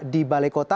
di balai kota